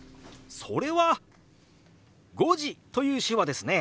それは「５時」という手話ですね。